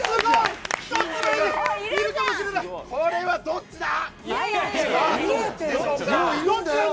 これはどっちだ？